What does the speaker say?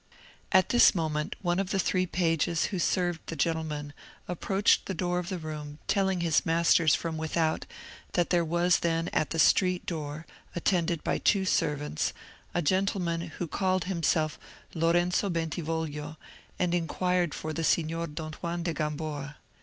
At this moment, one of the three pages who served the gentlemen approached the door of the room telling his masters from without, that there was then at the street door, attended by two servants, a gentleman, who called himself Lorenzo Bentivoglio, and inquired for the Signor Don Juan de Gamboa.